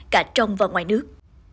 cả trong và ngoài nước